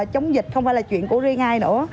chống dịch không phải là chuyện của riêng ai nữa